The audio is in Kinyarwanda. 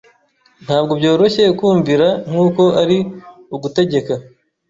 Ntabwo byoroshye kumvira nkuko ari ugutegeka.